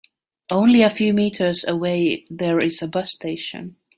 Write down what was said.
Only a few meters away there is a bus station.